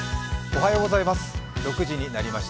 おはようございます。